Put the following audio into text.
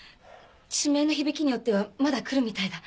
地名の響きによってはまだくるみたいだ。